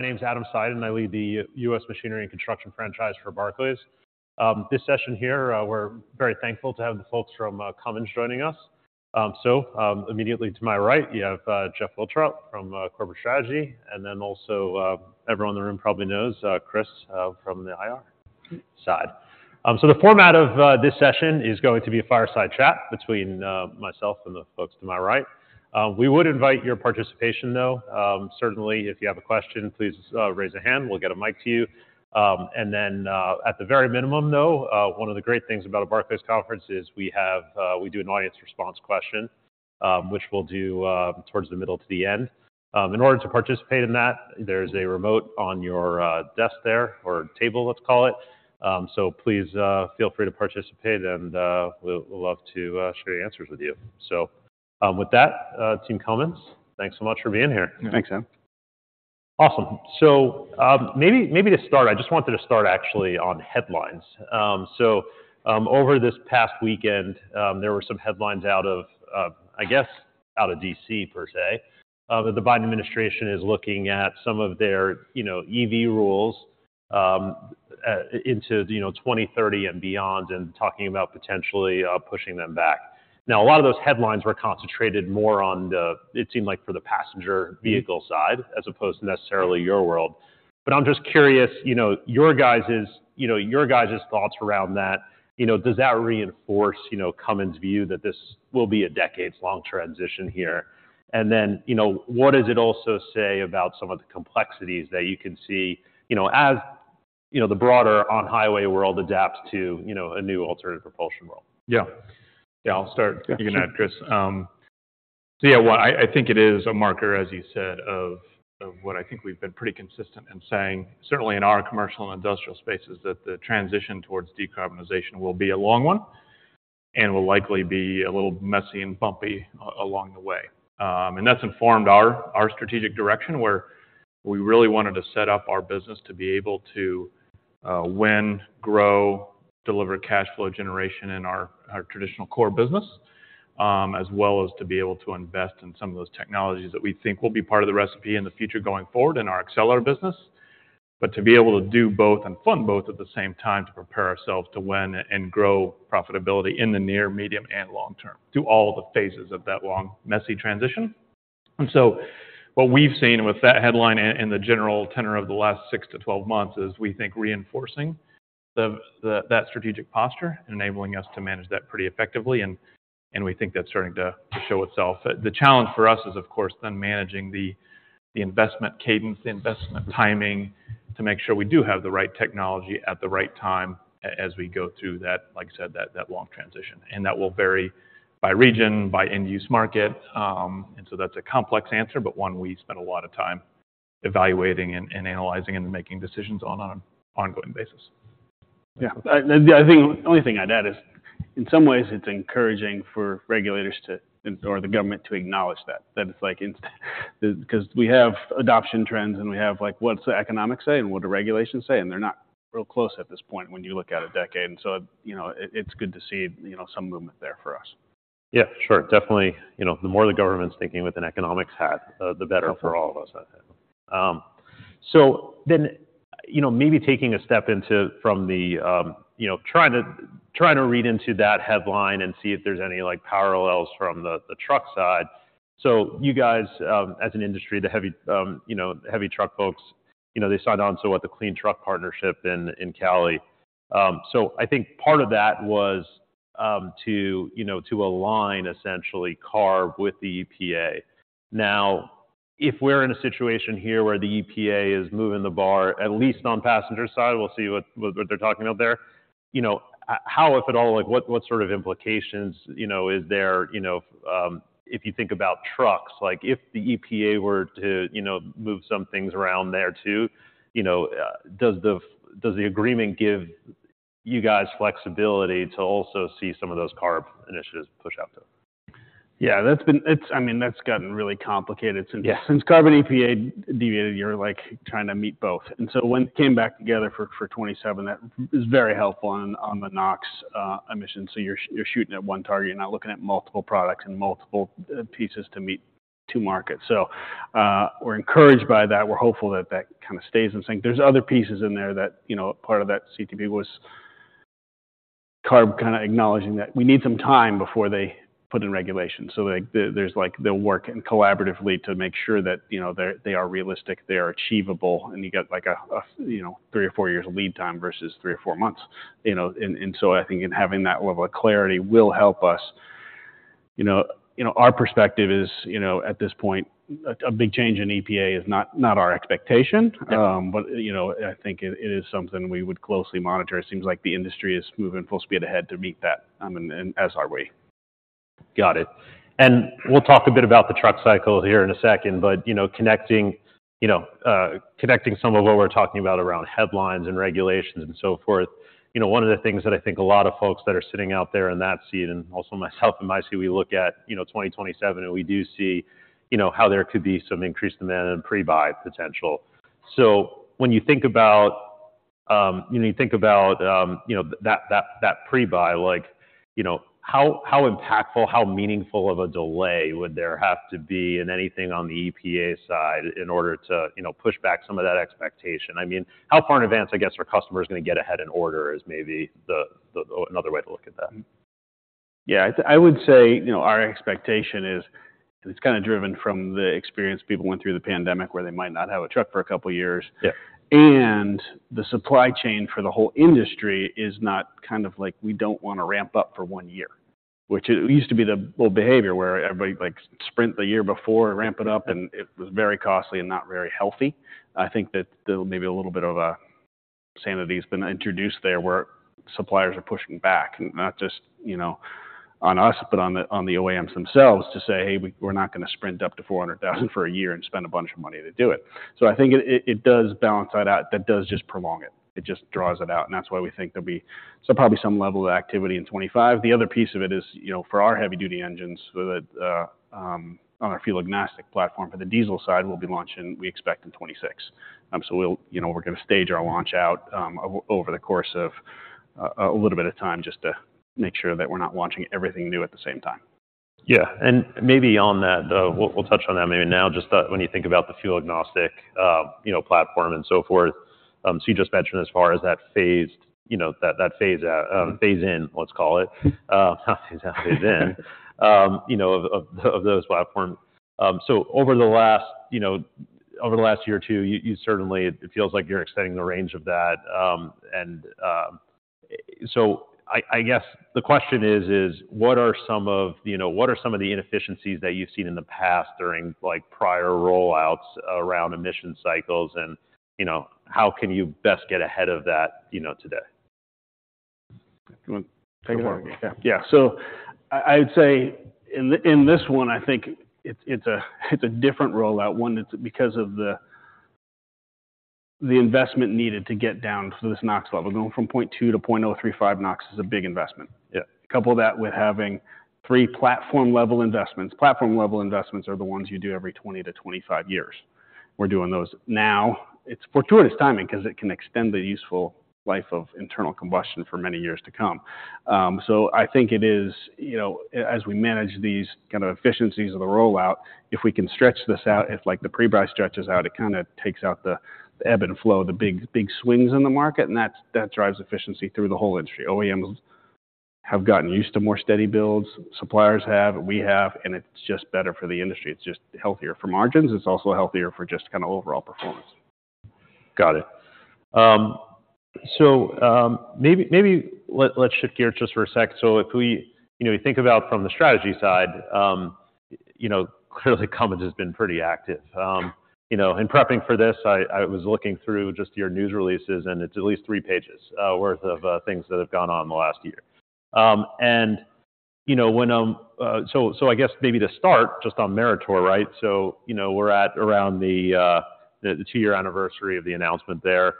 My name is Adam Seiden, and I lead the U.S. Machinery and Construction franchise for Barclays. This session here, we're very thankful to have the folks from Cummins joining us. So, immediately to my right, you have Jeff Wiltrout from Corporate Strategy, and then also, everyone in the room probably knows Chris from the IR side. So the format of this session is going to be a fireside chat between myself and the folks to my right. We would invite your participation, though. Certainly, if you have a question, please raise a hand, we'll get a mic to you. And then, at the very minimum though, one of the great things about a Barclays conference is we have, we do an audience response question, which we'll do towards the middle to the end. In order to participate in that, there's a remote on your desk there or table, let's call it. So please, feel free to participate, and we'd love to share your answers with you. So, with that, Team Cummins, thanks so much for being here. Thanks, Adam. Awesome. So, maybe, maybe to start, I just wanted to start actually on headlines. So, over this past weekend, there were some headlines out of, I guess, out of D.C. per se, that the Biden administration is looking at some of their, you know, EV rules, into, you know, 2030 and beyond, and talking about potentially pushing them back. Now, a lot of those headlines were concentrated more on the - it seemed like for the passenger vehicle side as opposed to necessarily your world. But I'm just curious, you know, your guys's, you know, your guys's thoughts around that. You know, does that reinforce, you know, Cummins' view that this will be a decades-long transition here? And then, you know, what does it also say about some of the complexities that you can see, you know, as, you know, the broader on-highway world adapts to, you know, a new alternative propulsion world? Yeah. Yeah, I'll start. Yeah, sure. You can add, Chris. So yeah, well, I think it is a marker, as you said, of what I think we've been pretty consistent in saying certainly in our commercial and industrial spaces that the transition towards decarbonization will be a long one, and will likely be a little messy and bumpy along the way. And that's informed our strategic direction, where we really wanted to set up our business to be able to win, grow, deliver cash flow generation in our traditional core business, as well as to be able to invest in some of those technologies that we think will be part of the recipe in the future going forward in our Accelera business. But to be able to do both and fund both at the same time, to prepare ourselves to win and grow profitability in the near, medium, and long term, through all the phases of that long, messy transition. So what we've seen with that headline and the general tenor of the last six to 12 months is, we think, reinforcing that strategic posture and enabling us to manage that pretty effectively, and we think that's starting to show itself. The challenge for us is of course, then managing the investment cadence, the investment timing, to make sure we do have the right technology at the right time as we go through that, like you said, that long transition. That will vary by region, by end-use market, and so that's a complex answer, but one we spend a lot of time evaluating and analyzing and making decisions on an ongoing basis. Yeah. I think the only thing I'd add is, in some ways, it's encouraging for regulators to or the government to acknowledge that it's like in. Because we have adoption trends, and we have, like, what's the economics say and what the regulations say, and they're not real close at this point when you look at a decade. And so, you know, it, it's good to see, you know, some movement there for us. Yeah, sure. Definitely, you know, the more the government's thinking with an economics hat, the better for all of us, I think. So then, you know, maybe taking a step into from the, you know, trying to read into that headline and see if there's any, like, parallels from the truck side. So you guys, as an industry, the heavy, you know, heavy truck folks, you know, they signed on to what, the Clean Truck Partnership in Cali. So I think part of that was, to, you know, to align, essentially, CARB with the EPA. Now, if we're in a situation here where the EPA is moving the bar, at least on passenger side, we'll see what they're talking about there. You know, how, if at all, like, what sort of implications, you know, is there, you know, if you think about trucks, like, if the EPA were to, you know, move some things around there, too, you know, does the agreement give you guys flexibility to also see some of those CARB initiatives push out, though? Yeah, it's, I mean, that's gotten really complicated since CARB and EPA deviated, you're, like, trying to meet both. And so when it came back together for 2027, that is very helpful on the NOx emissions. So you're shooting at one target, you're not looking at multiple products and multiple pieces to meet two markets. So, we're encouraged by that. We're hopeful that that kind of stays in sync. There's other pieces in there that, you know, part of that CTP was CARB kind of acknowledging that we need some time before they put in regulations. So, like, there, there's like, they're working collaboratively to make sure that, you know, they're, they are realistic, they are achievable, and you get like a, a, you know, three or four years of lead time versus three or four months, you know. So I think in having that level of clarity will help us. You know, our perspective is, you know, at this point, a big change in EPA is not our expectation. You know, I think it is something we would closely monitor. It seems like the industry is moving full speed ahead to meet that, and as are we. Got it. And we'll talk a bit about the truck cycle here in a second, but, you know, connecting, you know, connecting some of what we're talking about around headlines and regulations and so forth. You know, one of the things that I think a lot of folks that are sitting out there in that seat, and also myself, and I see we look at, you know, 2027, and we do see, you know, how there could be some increased demand and pre-buy potential. So when you think about- you know, you think about, you know, that pre-buy, like, you know, how, how impactful, how meaningful of a delay would there have to be in anything on the EPA side in order to, you know, push back some of that expectation? I mean, how far in advance, I guess, are customers going to get ahead and order? Is maybe another way to look at that? Yeah, I would say, you know, our expectation is, and it's kind of driven from the experience people went through the pandemic, where they might not have a truck for a couple of years. Yeah. The supply chain for the whole industry is not kind of like, we don't want to ramp up for one year, which it used to be the old behavior, where everybody, like, sprint the year before, ramp it up, and it was very costly and not very healthy. I think that there may be a little bit of a sanity has been introduced there, where suppliers are pushing back, and not just, you know, on us, but on the, on the OEMs themselves to say, "Hey, we're not going to sprint up to 400,000 for a year and spend a bunch of money to do it." So I think it does balance that out. That does just prolong it. It just draws it out, and that's why we think there'll be so probably some level of activity in 2025. The other piece of it is, you know, for our heavy-duty engines with the, on our Fuel Agnostic Platform, for the diesel side, we'll be launching, we expect in 2026. You know, we're going to stage our launch out, over the course of, a little bit of time just to make sure that we're not launching everything new at the same time. Yeah, and maybe on that, we'll touch on that maybe now, just that when you think about the fuel agnostic, you know, platform and so forth. So you just mentioned as far as that phased, you know, that phase out, phase in, let's call it, not phase out, phase in, you know, of those platforms. So over the last, you know, over the last year or two, you certainly, it feels like you're extending the range of that. And so I guess the question is, what are some of, you know, what are some of the inefficiencies that you've seen in the past during, like, prior rollouts around emission cycles? And, you know, how can you best get ahead of that, you know, today? Do you want to take it? Sure. Yeah. Yeah. So I would say in this one, I think it's a different rollout, one that's because of the investment needed to get down to this NOx level. Going from 0.2 to 0.035 NOx is a big investment. Yeah. Couple that with having three platform-level investments. Platform-level investments are the ones you do every 20-25 years. We're doing those now. It's fortuitous timing because it can extend the useful life of internal combustion for many years to come. So I think it is, you know, as we manage these kind of efficiencies of the rollout, if we can stretch this out, if, like, the pre-buy stretches out, it kind of takes out the ebb and flow, the big, big swings in the market, and that, that drives efficiency through the whole industry. OEMs have gotten used to more steady builds, suppliers have, we have, and it's just better for the industry. It's just healthier for margins. It's also healthier for just kind of overall performance. Got it. So, maybe let's shift gears just for a sec. So if we, you know, we think about from the strategy side, you know, clearly, Cummins has been pretty active. You know, in prepping for this, I was looking through just your news releases, and it's at least three pages worth of things that have gone on in the last year. And, you know, so I guess maybe to start just on Meritor, right? So, you know, we're at around the two-year anniversary of the announcement there.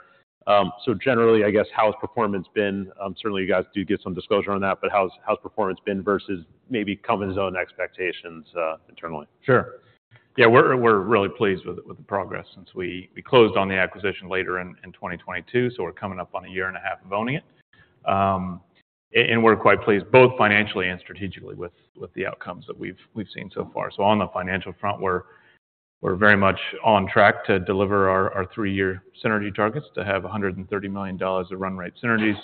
So generally, I guess, how has performance been? Certainly, you guys do give some disclosure on that, but how's performance been versus maybe Cummins' own expectations, internally? Sure. Yeah, we're really pleased with the progress since we closed on the acquisition later in 2022, so we're coming up on 1.5 years of owning it. And we're quite pleased, both financially and strategically, with the outcomes that we've seen so far. So on the financial front, we're very much on track to deliver our three-year synergy targets, to have $130 million of run rate synergies.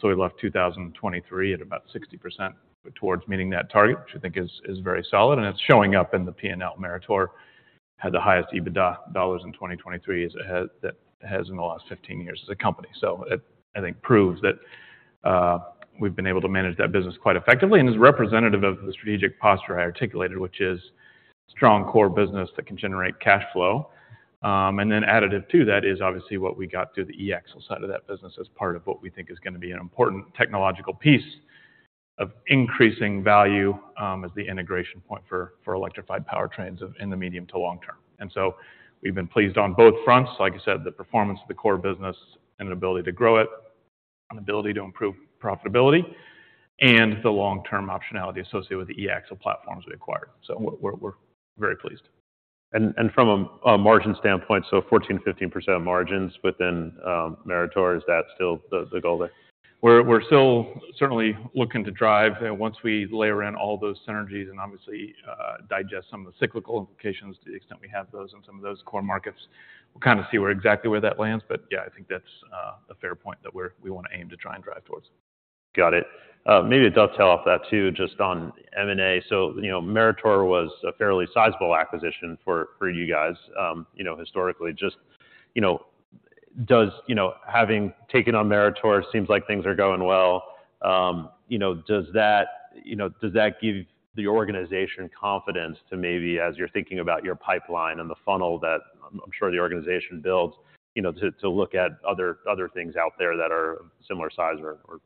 So we left 2023 at about 60% towards meeting that target, which I think is very solid, and it's showing up in the P&L. Meritor had the highest EBITDA dollars in 2023 as it has in the last 15 years as a company. So it, I think, proves that we've been able to manage that business quite effectively and is representative of the strategic posture I articulated, which is strong core business that can generate cash flow. And then additive to that is obviously what we got through the eAxle side of that business as part of what we think is going to be an important technological piece of increasing value, as the integration point for electrified powertrains in the medium to long term. And so we've been pleased on both fronts, like I said, the performance of the core business and an ability to grow it, an ability to improve profitability, and the long-term optionality associated with the eAxle platforms we acquired. So we're very pleased. From a margin standpoint, so 14%-15% margins within Meritor, is that still the goal there? We're still certainly looking to drive, and once we layer in all those synergies and obviously digest some of the cyclical implications, to the extent we have those in some of those core markets, we'll kind of see where exactly that lands. But yeah, I think that's a fair point that we want to aim to try and drive towards. Got it. Maybe it does tail off that too, just on M&A. So, you know, Meritor was a fairly sizable acquisition for, for you guys, historically. Just, you know, does... You know, having taken on Meritor, seems like things are going well. You know, does that, you know, does that give the organization confidence to maybe, as you're thinking about your pipeline and the funnel that I'm, I'm sure the organization builds, you know, to, to look at other, other things out there that are similar size or, or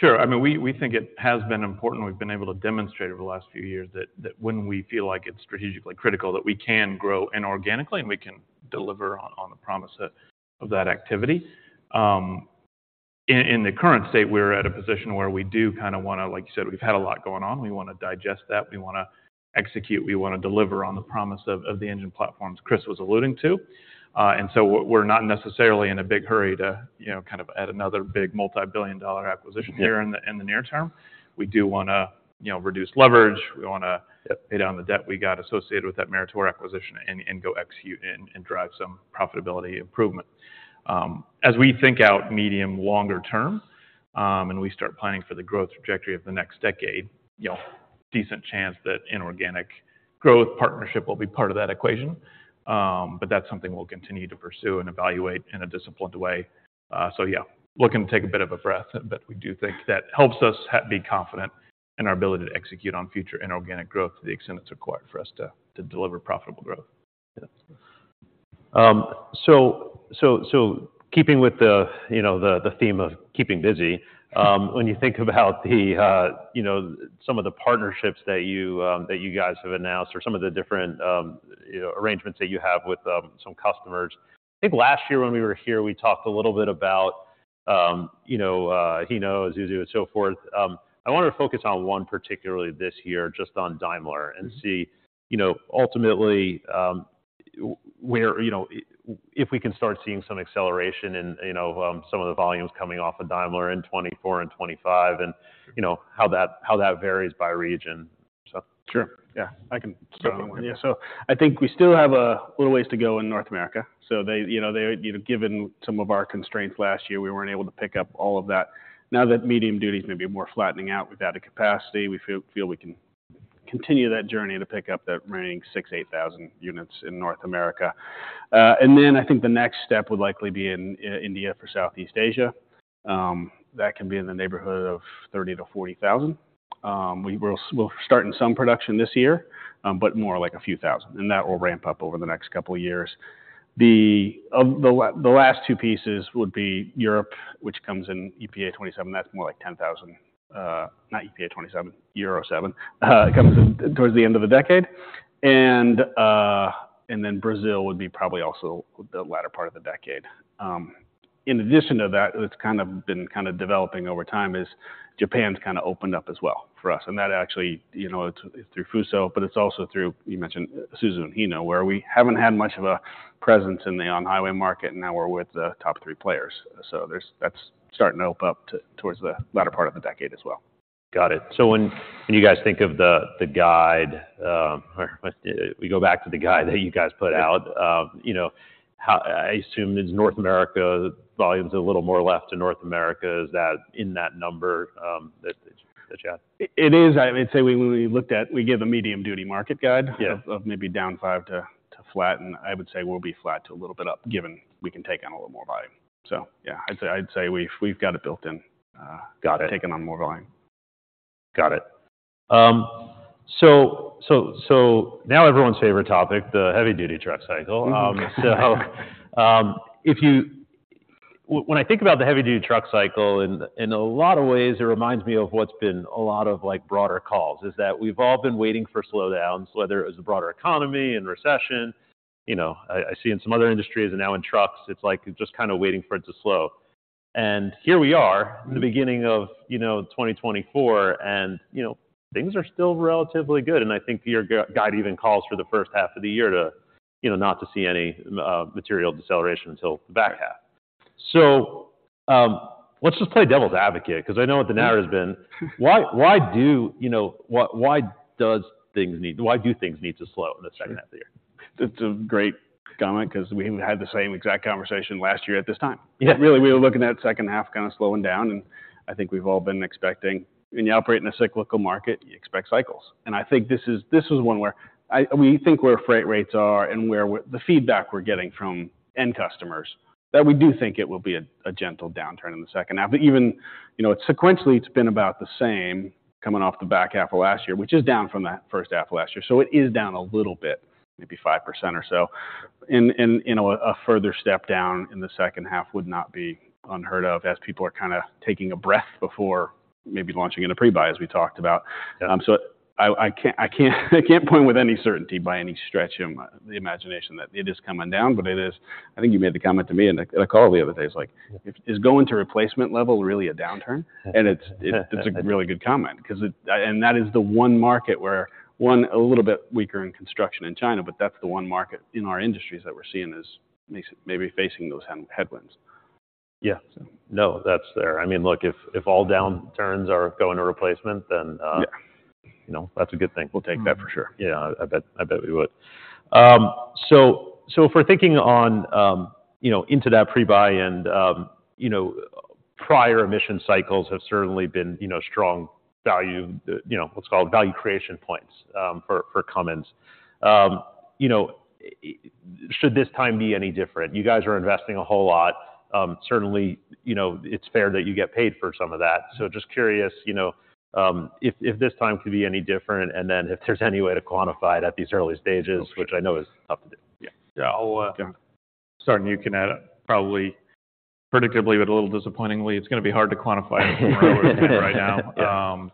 there? Sure. I mean, we think it has been important. We've been able to demonstrate over the last few years that when we feel like it's strategically critical, that we can grow inorganically and we can deliver on the promise of that activity. In the current state, we're at a position where we do kind of wanna, like you said, we've had a lot going on. We wanna digest that, we wanna execute, we wanna deliver on the promise of the engine platforms Chris was alluding to. And so we're not necessarily in a big hurry to, you know, kind of add another big multibillion-dollar acquisition here in the near term. We do wanna, you know, reduce leverage. We wanna pay down the debt we got associated with that Meritor acquisition and go execute and drive some profitability improvement. As we think out medium, longer term, and we start planning for the growth trajectory of the next decade, you know, decent chance that inorganic growth partnership will be part of that equation. But that's something we'll continue to pursue and evaluate in a disciplined way. So yeah, looking to take a bit of a breath, but we do think that helps us be confident in our ability to execute on future inorganic growth to the extent it's required for us to deliver profitable growth. Yes. So keeping with the, you know, the theme of keeping busy, when you think about the, you know, some of the partnerships that you, that you guys have announced or some of the different, you know, arrangements that you have with some customers. I think last year when we were here, we talked a little bit about, you know, Hino, Isuzu, and so forth. I wanted to focus on one, particularly this year, just on Daimler and see, you know, ultimately, where, you know, if we can start seeing some acceleration and, you know, some of the volumes coming off of Daimler in 2024 and 2025, and, you know, how that, how that varies by region, so. Sure. Yeah, I can start. Yeah, so I think we still have a little ways to go in North America. So they, you know, given some of our constraints last year, we weren't able to pick up all of that. Now that medium duty is maybe more flattening out, we've added capacity. We feel we can continue that journey to pick up that remaining 6,000-8,000 units in North America. And then I think the next step would likely be in India for Southeast Asia. That can be in the neighborhood of 30,000-40,000. We'll start some production this year, but more like a few thousand, and that will ramp up over the next couple of years. The last two pieces would be Europe, which comes in EPA 2027. That's more like 10,000, not EPA 2027, Euro 7, comes in towards the end of the decade. And then Brazil would be probably also the latter part of the decade. In addition to that, it's kind of been developing over time; Japan's kind of opened up as well for us, and that actually, you know, it's through Fuso, but it's also through—you mentioned Isuzu and Hino—where we haven't had much of a presence in the on-highway market, and now we're with the top three players. So that's starting to open up towards the latter part of the decade as well. Got it. So when you guys think of the guide, or we go back to the guide that you guys put out, you know, I assume it's North America, volume's a little more left to North America. Is that in that number, that you have? It is. I would say when we looked at, we give a medium-duty market guide of maybe down five to flat, and I would say we'll be flat to a little bit up, given we can take on a little more volume. So yeah, I'd say we've got it built in taking on more volume. Got it. So now everyone's favorite topic, the heavy-duty truck cycle. So, when I think about the heavy-duty truck cycle, in a lot of ways, it reminds me of what's been a lot of like broader calls, is that we've all been waiting for slowdowns, whether it's the broader economy and recession. You know, I see in some other industries and now in trucks, it's like just kind of waiting for it to slow. And here we are the beginning of, you know, 2024, and, you know, things are still relatively good. I think your guide even calls for the first half of the year to, you know, not to see any material deceleration until the back half. Let's just play devil's advocate, because I know what the narrative has been. Why, you know, why do things need to slow in the second half of the year? It's a great comment because we had the same exact conversation last year at this time. Really, we were looking at second half kind of slowing down, and I think we've all been expecting. When you operate in a cyclical market, you expect cycles. And I think this is one where we think where freight rates are and where we're getting the feedback from end customers, that we do think it will be a gentle downturn in the second half. But even, you know, sequentially, it's been about the same coming off the back half of last year, which is down from that first half of last year. So it is down a little bit, maybe 5% or so. And, you know, a further step down in the second half would not be unheard of, as people are kind of taking a breath before maybe launching in a pre-buy, as we talked about. Yeah. So, I can't point with any certainty by any stretch of the imagination that it is coming down, I think you made the comment to me in a call the other day. It's like, "Is going to replacement level really a downturn?" And it's a really good comment because it, and that is the one market where a little bit weaker in construction in China, but that's the one market in our industries that we're seeing is maybe facing those headwinds. Yeah. No, that's there. I mean, look, if all downturns are going to replacement, then you know, that's a good thing. We'll take that for sure. Yeah, I bet, I bet we would. So if we're thinking on, you know, into that pre-buy and, you know, prior emission cycles have certainly been, you know, strong value, you know, what's called value creation points, for Cummins. You know, should this time be any different? You guys are investing a whole lot. Certainly, you know, it's fair that you get paid for some of that. So just curious, you know, if this time could be any different and then if there's any way to quantify it at these early stages which I know is tough to do. Yeah. Yeah, I'll, Yeah. Sorry, you can add, probably predictably, but a little disappointingly, it's going to be hard to quantify right now.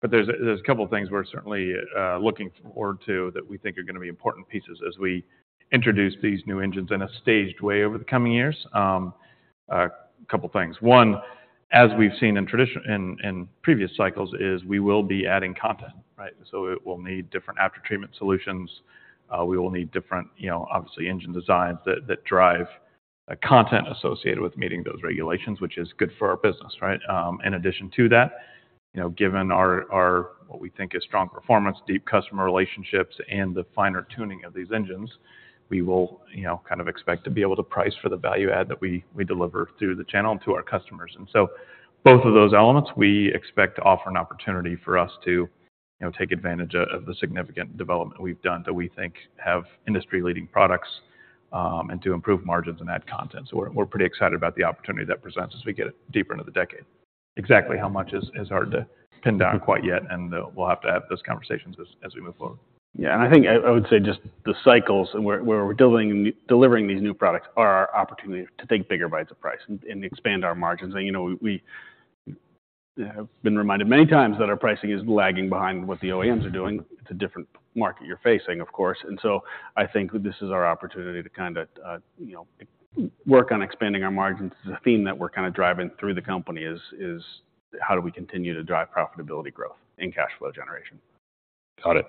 But there's a couple of things we're certainly looking forward to that we think are going to be important pieces as we introduce these new engines in a staged way over the coming years. A couple of things. One, as we've seen in previous cycles, is we will be adding content, right? So it will need different after-treatment solutions. We will need different, you know, obviously, engine designs that drive a content associated with meeting those regulations, which is good for our business, right? In addition to that, you know, given our what we think is strong performance, deep customer relationships, and the finer tuning of these engines, we will, you know, kind of expect to be able to price for the value add that we deliver through the channel and to our customers. And so both of those elements, we expect to offer an opportunity for us to, you know, take advantage of the significant development we've done, that we think have industry-leading products, and to improve margins and add content. So we're pretty excited about the opportunity that presents as we get deeper into the decade. Exactly how much is hard to pin down quite yet, and we'll have to have those conversations as we move forward. Yeah, and I think I would say just the cycles and where we're delivering these new products are our opportunity to take bigger bites of price and expand our margins. And, you know, we have been reminded many times that our pricing is lagging behind what the OEMs are doing. It's a different market you're facing, of course. And so I think this is our opportunity to kind of, you know, work on expanding our margins. The theme that we're kind of driving through the company is how do we continue to drive profitability growth and cash flow generation. Got it.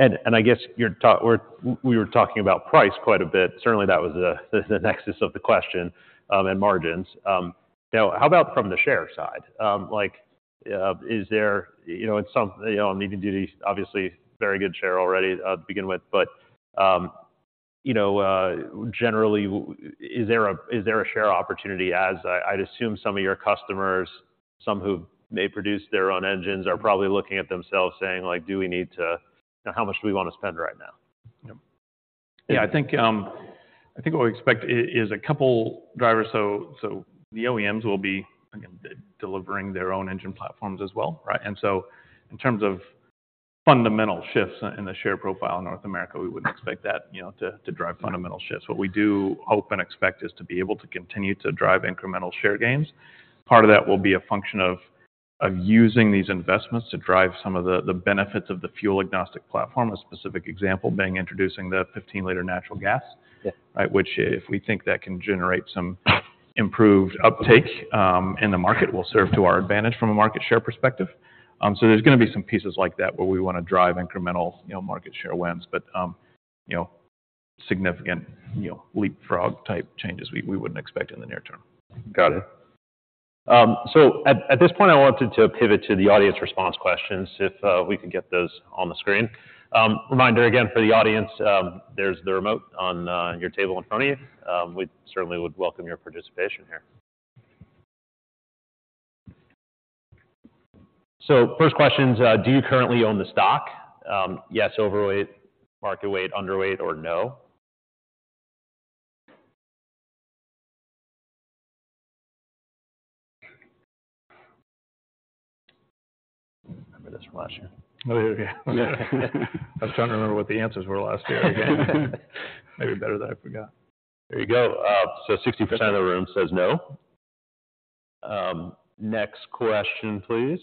And, and I guess we were talking about price quite a bit. Certainly, that was the, the nexus of the question, and margins. Now, how about from the share side? Like, you know, it's some, you know, medium duty, obviously very good share already, to begin with. But, you know, generally, is there a, is there a share opportunity, as I, I'd assume some of your customers, some who may produce their own engines, are probably looking at themselves saying, like, "Do we need to? How much do we want to spend right now? Yeah. Yeah, I think what we expect is a couple drivers. So the OEMs will be, again, delivering their own engine platforms as well, right? And so in terms of fundamental shifts in the share profile in North America, we wouldn't expect that, you know, to drive fundamental shifts. What we do hope and expect is to be able to continue to drive incremental share gains. Part of that will be a function of using these investments to drive some of the benefits of the Fuel Agnostic Platform, a specific example being introducing the 15-liter natural gas. Yeah. Right, which, if we think that can generate some improved uptake, in the market, will serve to our advantage from a market share perspective. So there's going to be some pieces like that where we want to drive incremental, you know, market share wins, but, you know, significant, you know, leapfrog-type changes we wouldn't expect in the near term. Got it. So at this point, I wanted to pivot to the audience response questions, if we could get those on the screen. Reminder again for the audience, there's the remote on your table in front of you. We certainly would welcome your participation here. So first question is, "Do you currently own the stock? Yes, overweight, market weight, underweight, or no?" Remember this from last year. Oh, yeah. Yeah. I was trying to remember what the answers were last year. Maybe better that I forgot. There you go. So 60% of the room says no. Next question, please.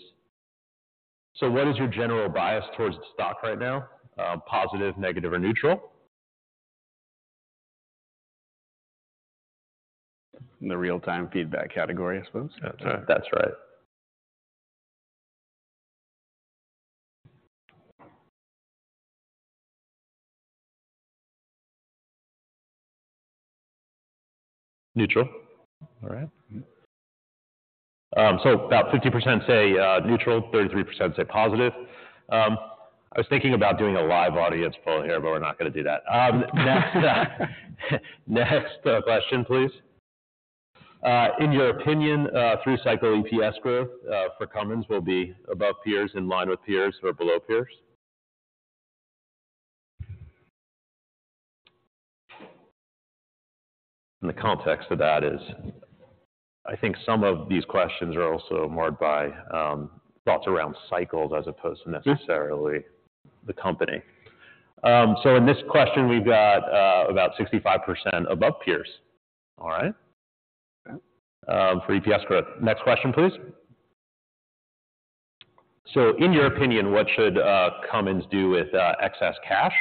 So what is your general bias towards the stock right now? Positive, negative, or neutral? In the real-time feedback category, I suppose. That's right. That's right. Neutral. All right. So about 50% say neutral, 33% say positive. I was thinking about doing a live audience poll here, but we're not going to do that. Next question, please. In your opinion, through cycle EPS growth for Cummins will be above peers, in line with peers, or below peers? And the context of that is, I think some of these questions are also marred by thoughts around cycles as opposed to necessarily the company. So in this question, we've got about 65% above peers. All right. Yeah. For EPS growth. Next question, please. So, in your opinion, what should Cummins do with excess cash?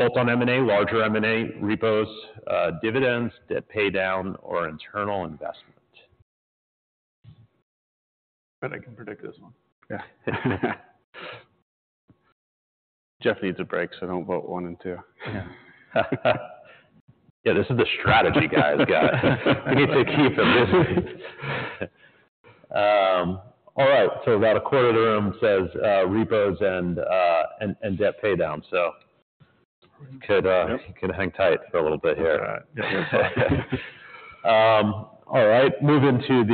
Focus on M&A, larger M&A, repos, dividends, debt pay down, or internal investment. Bet I can predict this one. Yeah. Jeff needs a break, so don't vote 1 and 2. Yeah, this is the strategy guy's got. We need to keep him busy. All right. So about a quarter of the room says, repos and debt pay down, so you could hang tight for a little bit here. All right. All right, moving to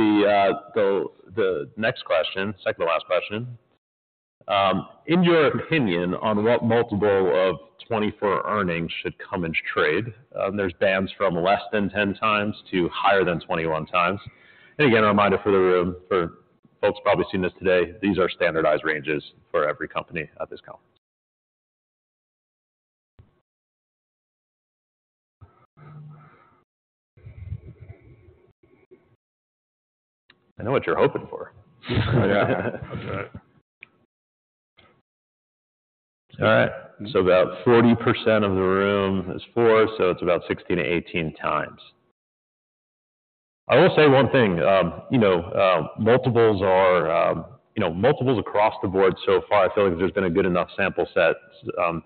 the next question, second to last question. In your opinion, on what multiple of 2024 earnings should Cummins trade? There's bands from less than 10x to higher than 21x. And again, a reminder for the room, for folks probably seeing this today, these are standardized ranges for every company at this call. I know what you're hoping for. Yeah, that's right. All right, so about 40% of the room is four, so it's about 16x-18x. I will say one thing, you know, multiples are, you know, multiples across the board so far, I feel like there's been a good enough sample set,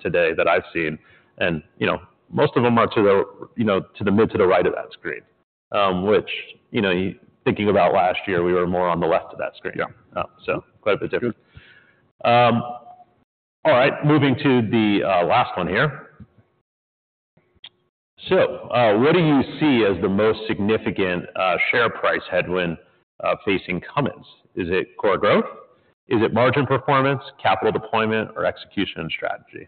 today that I've seen. And, you know, most of them are to the, you know, to the mid, to the right of that screen, which, you know, thinking about last year, we were more on the left of that screen. Yeah. So quite a bit different. All right, moving to the last one here. So, what do you see as the most significant share price headwind facing Cummins? Is it core growth? Is it margin performance, capital deployment, or execution and strategy?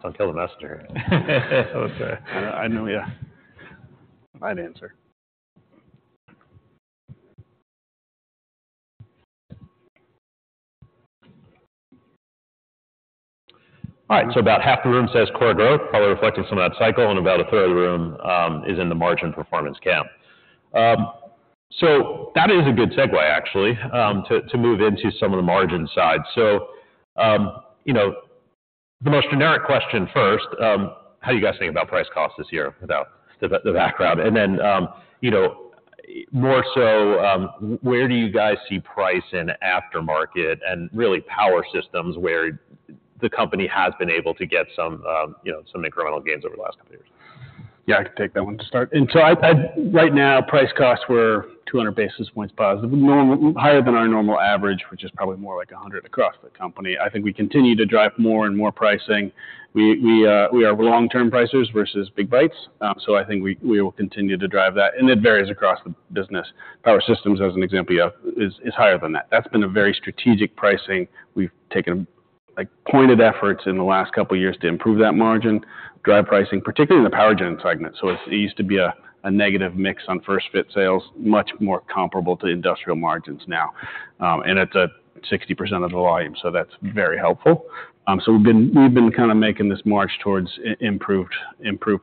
Don't kill the messenger. I would say. I know, yeah. My answer. All right, so about half the room says core growth, probably reflecting some of that cycle, and about a third of the room is in the margin performance camp. So that is a good segue, actually, to move into some of the margin side. So, you know, the most generic question first, how are you guys thinking about price cost this year without the, the background? And then, you know, more so, where do you guys see price in aftermarket and really power systems, where the company has been able to get some, you know, some incremental gains over the last couple of years? Yeah, I can take that one to start. So I right now, price costs were 200 basis points positive, now higher than our normal average, which is probably more like 100 across the company. I think we continue to drive more and more pricing. We are long-term pricers versus big bites, so I think we will continue to drive that, and it varies across the business. Power Systems, as an example, yeah, is higher than that. That's been a very strategic pricing. We've taken, like, pointed efforts in the last couple of years to improve that margin, drive pricing, particularly in the power gen segment. So it used to be a negative mix on first-fit sales, much more comparable to industrial margins now. And it's at 60% of the volume, so that's very helpful. So we've been kinda making this march towards improved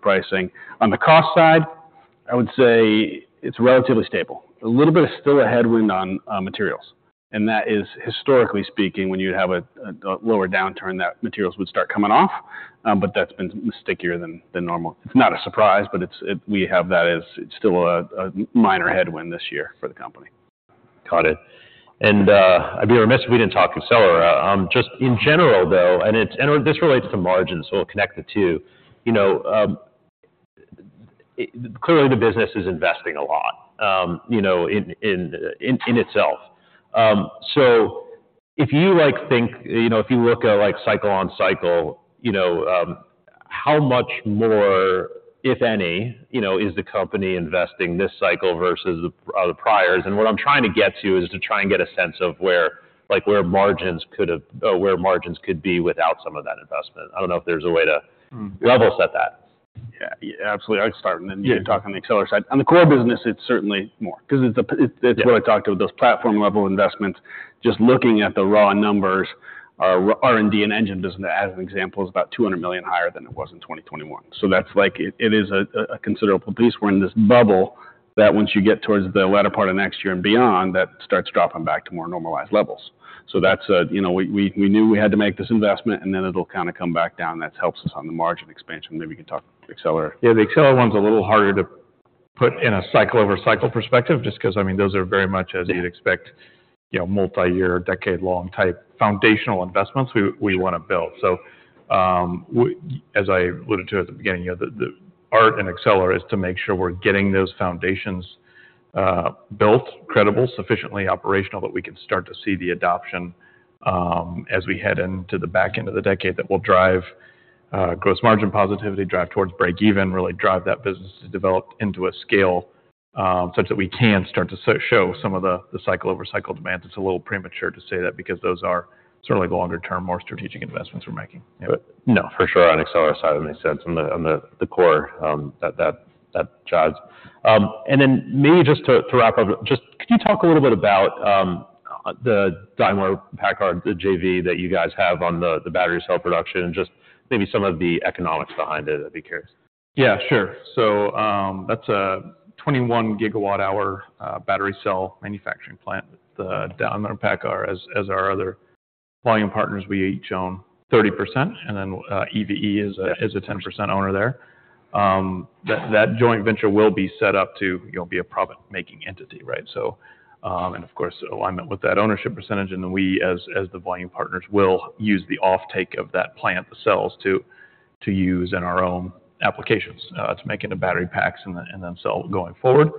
pricing. On the cost side, I would say it's relatively stable, a little bit still a headwind on materials, and that is, historically speaking, when you have a lower downturn, that materials would start coming off, but that's been stickier than normal. It's not a surprise, but it's—we have that as still a minor headwind this year for the company. Got it. And, I'd be remiss if we didn't talk Accelera. Just in general, though, and it's—and this relates to margins, so we'll connect the two. You know, clearly, the business is investing a lot, you know, in itself. So if you, like, think, you know, if you look at, like, cycle on cycle, you know, how much more, if any, you know, is the company investing this cycle versus the priors? And what I'm trying to get to is to try and get a sense of where, like where margins could be without some of that investment. I don't know if there's a way to level set that. Yeah, absolutely. I'd start, and then you talk on the Accelera side. On the core business, it's certainly more because it's the It's what I talked about, those platform-level investments. Just looking at the raw numbers, our R&D and engine business, as an example, is about $200 million higher than it was in 2021. So that's like, it is a considerable piece. We're in this bubble that once you get towards the latter part of next year and beyond, that starts dropping back to more normalized levels. So that's a, you know, we knew we had to make this investment, and then it'll kinda come back down. That helps us on the margin expansion. Maybe you can talk Accelera. Yeah, the Accelera one's a little harder to put in a cycle-over-cycle perspective, just because, I mean, those are very much as you'd expect, you know, multiyear, decade-long type foundational investments we wanna build. So, as I alluded to at the beginning, you know, the, the art and Accelera is to make sure we're getting those foundations built, credible, sufficiently operational, that we can start to see the adoption as we head into the back end of the decade. That will drive gross margin positivity, drive towards break even, really drive that business to develop into a scale such that we can start to show some of the, the cycle over cycle demands. It's a little premature to say that because those are certainly longer term, more strategic investments we're making. Yeah, but no, for sure on Accelera side, it makes sense on the core that drives. And then maybe just to wrap up, could you talk a little bit about the Daimler PACCAR JV that you guys have on the battery cell production, and just maybe some of the economics behind it? That'd be curious. Yeah, sure. So, that's a 21 GWh battery cell manufacturing plant. The Daimler, PACCAR, as our other volume partners, we each own 30%, and then EVE is a 10% owner there. That joint venture will be set up to, you know, be a profit-making entity, right? So, and of course, alignment with that ownership percentage, and then we, as the volume partners, will use the offtake of that plant, the cells, to use in our own applications to make into battery packs and the, and themselves going forward.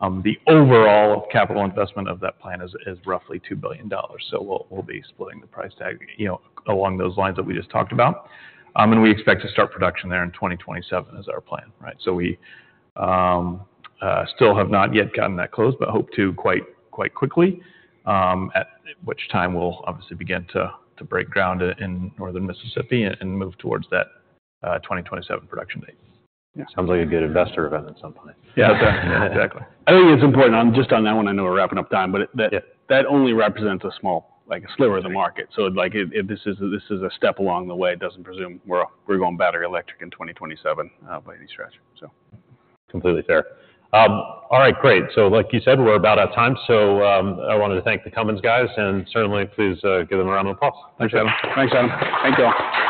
The overall capital investment of that plant is roughly $2 billion. So we'll be splitting the price tag, you know, along those lines that we just talked about. And we expect to start production there in 2027 as our plan, right? We still have not yet gotten that close, but hope to quite, quite quickly, at which time we'll obviously begin to break ground in Northern Mississippi and move towards that 2027 production date. Yeah, sounds like a good investor event at some point. Yeah, exactly. I think it's important on, just on that one. I know we're wrapping up time, but that only represents a small, like a sliver of the market. So, like, if this is a step along the way, it doesn't presume we're going battery electric in 2027 by any stretch. So. Completely fair. All right, great. So like you said, we're about out of time, so, I wanted to thank the Cummins guys, and certainly, please, give them a round of applause. Thanks, Adam. Thanks, Adam. Thank you all.